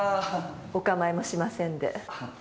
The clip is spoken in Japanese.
お構いもしませんで。